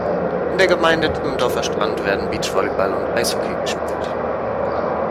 In der Gemeinde Timmendorfer Strand werden Beachvolleyball und Eishockey gespielt.